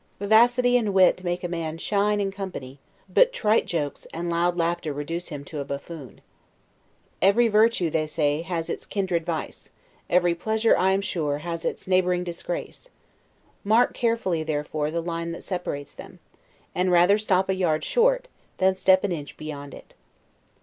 Vivacity and wit make a man shine in company; but trite jokes and loud laughter reduce him to a buffoon. [see Mark Twain's identical advice in his 'Speeches' D.W.] Every virtue, they say, has its kindred vice; every pleasure, I am sure, has its neighboring disgrace. Mark carefully, therefore, the line that separates them, and rather stop a yard short, than step an inch beyond it.